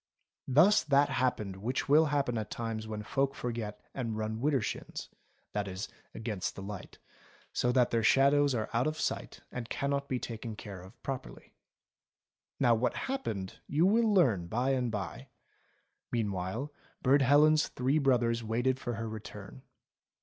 Thus that happened which will happen at times when folk forget and run wider shins, that is against the light, so that their shadows are out of sight and cannot be taken care of properly. Now what happened you will learn by and by ; mean while, Burd Helen's three brothers waited for her return.